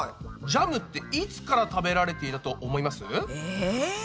ジャムっていつから食べられていると思います？え？